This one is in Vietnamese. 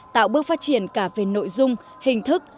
tạo bước phát triển cả về nội dung hình thức